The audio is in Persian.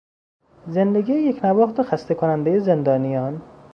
زندگی یکنواخت و خسته کنندهی زندانیان